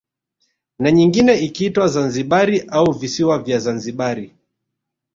Na nyingine ikiitwa Zanzibari au visiwa vya Zanzibari